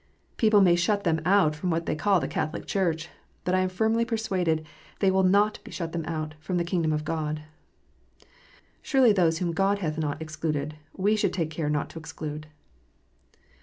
People may shut them out from what they call the " Catholic Church," but I am firmly persuaded they will not shut them out from the kingdom of God. Surely those whom God hath not excluded, we should take care not to exclude.